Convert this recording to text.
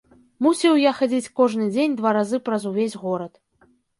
Мусіў я хадзіць кожны дзень два разы праз увесь горад.